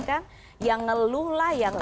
kan yang ngeluh lah yang